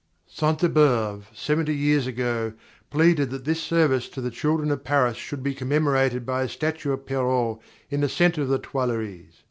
"_ _Sainte Beuve, seventy years ago, pleaded that this service to the children of Paris should be commemorated by a statue of Perrault in the centre of the Tuileries.